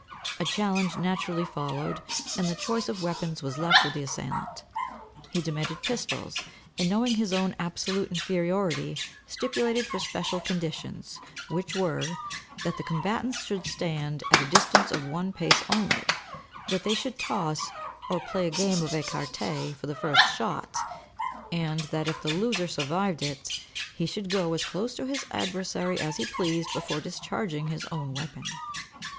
A challenge naturally followed, and the choice of weapons was left with the assailant. He demanded pistols, and, knowing his own absolute inferiority, stipulated for special conditions, which were, that the combatants should stand at a distance of one pace only, that they should toss, or play a game of écarté for the first shot, and that if the loser survived it, he should go as close to his adversary as he pleased before discharging his own weapon.